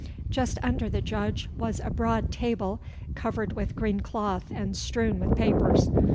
Just under the Judge was a broad table, covered with green cloth and strewn with papers.